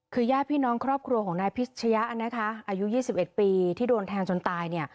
คือย่าพี่น้องครอบครัวของนายพิชยะอายุ๒๑ปีที่โดนแทงจนตาย